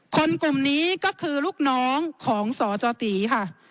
กลุ่มนี้ก็คือลูกน้องของสจตีค่ะ